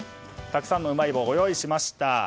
たくさんのうまい棒をご用意しました。